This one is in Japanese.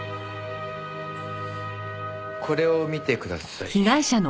これを見てください。